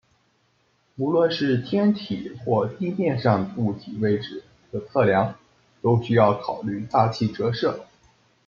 无论是天体或地面上物体位置的测量都需要考虑大气折射。